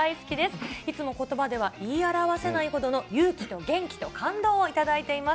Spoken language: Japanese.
いつもことばでは言い表せないほどの勇気と元気と感動を頂いています。